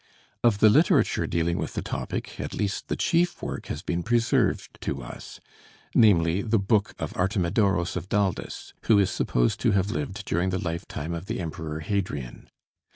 Of the literature dealing with the topic at least the chief work has been preserved to us, namely, the book of Artemidoros of Daldis, who is supposed to have lived during the lifetime of the Emperor Hadrian.